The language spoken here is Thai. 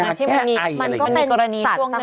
มันก็เป็นสัตว์สักต้น